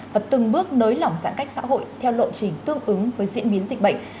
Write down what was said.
và từng bước nới lỏng giãn cách xã hội theo lộ trình tương ứng với diễn biến dịch bệnh